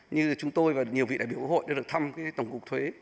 như là chúng tôi và nhiều vị đại biểu của hội đã được thăm tổng cục thuế